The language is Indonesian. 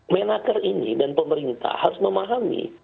menaker ini dan pemerintah harus memahami